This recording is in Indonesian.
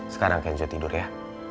sekarang kenzo tidur ya